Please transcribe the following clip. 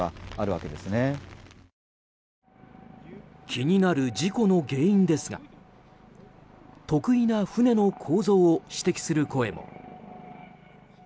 気になる事故の原因ですが特異な船の構造を指摘する声も。